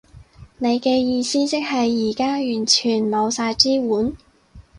你嘅意思即係而家完全冇晒支援？